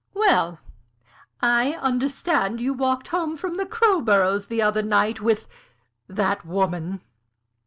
Well, I understand you walked home from the Crowboroughs' the other night with that woman."